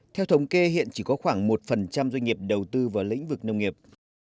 theo thống kê hiện chỉ có khoảng một doanh nghiệp đầu tư vào lĩnh vực nông nghiệp